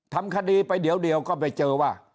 ทำคดีไปเดี๋ยวก็ไปเจอว่า